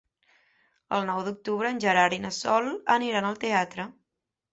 El nou d'octubre en Gerard i na Sol aniran al teatre.